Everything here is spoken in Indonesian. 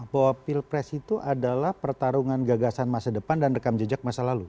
bahwa pilpres itu adalah pertarungan gagasan masa depan dan rekam jejak masa lalu